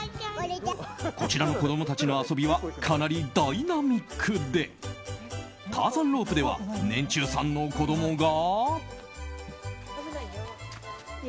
こちらの子供たちの遊びはかなりダイナミックでターザンロープでは年中さんの子供が。